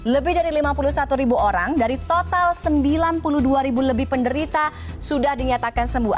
lebih dari lima puluh satu ribu orang dari total sembilan puluh dua ribu lebih penderita sudah dinyatakan sembuh